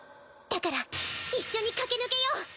だから一緒に駆け抜けよう！